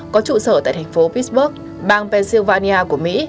có trụ sở tại thành phố pitsburg bang pennsylvania của mỹ